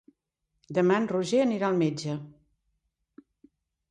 Demà en Roger anirà al metge.